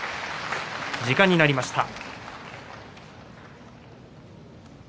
時間になりました。